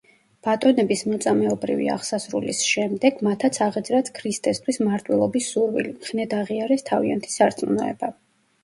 ბატონების მოწამეობრივი აღსასრულის შემდეგ მათაც აღეძრათ ქრისტესთვის მარტვილობის სურვილი, მხნედ აღიარეს თავიანთი სარწმუნოება.